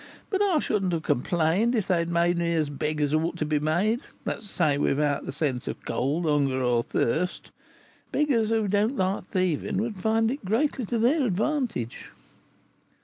But I should not have complained if they had made me as beggars ought to be made; that is to say, without the sense of cold, hunger, or thirst. Beggars who don't like thieving would find it greatly to their advantage."